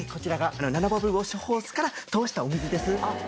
ナノバブルウォッシュホースから通したお水です。